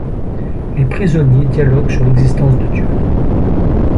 Les prisonniers dialoguent sur l'existence de Dieu.